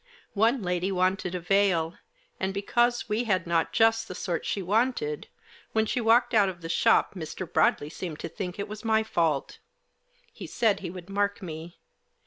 One lady wanted a veil, and because we had not just the sort she wanted, when she walked out of the shop Mr. Broadley seemed to think it was my fault. He said he would mark me.